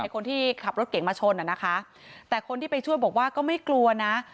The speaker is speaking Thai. คนที่ขับรถเก่งมาชนอ่ะนะคะแต่คนที่ไปช่วยบอกว่าก็ไม่กลัวนะ